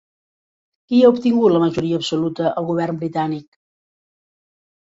Qui ha obtingut la majoria absoluta al govern britànic?